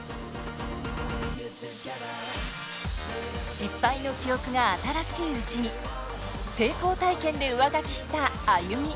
失敗の記憶が新しいうちに成功体験で上書きしたＡＹＵＭＩ。